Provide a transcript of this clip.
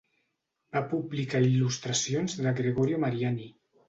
Va publicar il·lustracions de Gregorio Mariani.